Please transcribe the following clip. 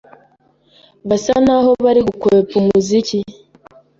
basa naho bari gukwepa Umuziki